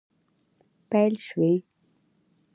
پیل شوي